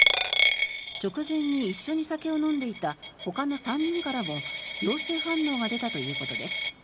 直前に一緒に酒を飲んでいたほかの３人からも陽性反応が出たということです。